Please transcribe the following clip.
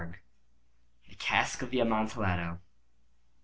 THE CASK OF AMONTILLADO.